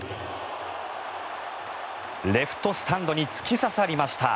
レフトスタンドに突き刺さりました。